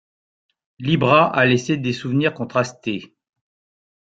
Libra a laissé des souvenirs contrastés.